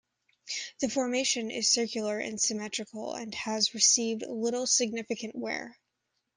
The formation is circular and symmetrical, and has receive little significant wear.